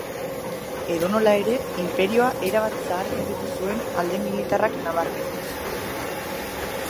Edonola ere, inperioa erabat zaharberritu zuen alde militarrak nabarmenduz.